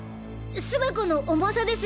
巣箱の重さです。